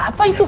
ada apa itu